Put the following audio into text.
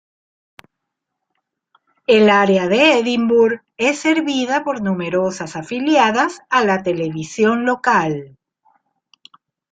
El área de Edinburg es servida por numerosas afiliadas a la televisión local.